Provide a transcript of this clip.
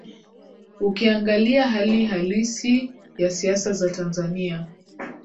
ukiangalia hali halisi ya siasa za tanzania